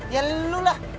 ya lu lah